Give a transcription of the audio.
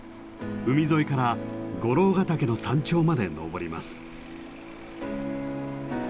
海沿いから五老ヶ岳の山頂まで登ります。